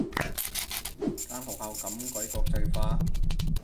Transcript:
間學校咁鬼國際化